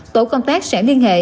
tổ công tác sẽ liên hệ